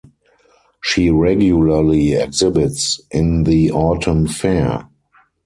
She regularly exhibits in the Autumn Fair.